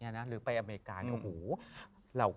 พี่ยังไม่ได้เลิกแต่พี่ยังไม่ได้เลิก